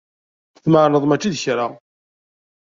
Tmeɛneḍ mačči d kra.